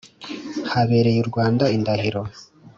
habereye u rwanda indahiro.